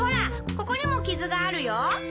ここにもキズがあるよ！